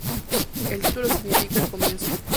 El título significa "El comienzo.